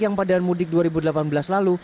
yang pada mudik dua ribu delapan belas lalu